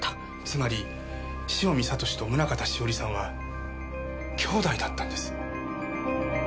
つまり汐見悟志と宗方栞さんは姉弟だったんです。